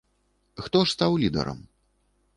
Хто ж стаў лідарам?